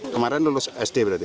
kemarin lulus sd berarti